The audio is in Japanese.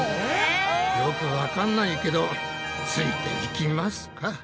よくわかんないけどついていきますか。